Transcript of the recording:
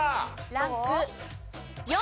ランク４。